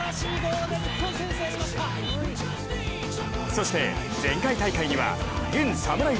そして前回大会には現サムライ